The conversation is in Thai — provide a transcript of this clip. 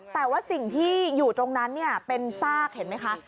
แต่ว่าสิ่งที่อยู่ตรงนั้นเป็นซากเห็นไหมคะ